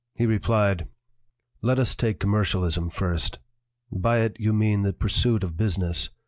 He replied : "Let us take commercialism first: By it you mean the pursuit of business.